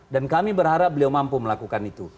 dan kami berharap beliau mampu melakukan itu